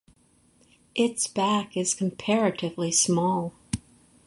Its back is comparatively small.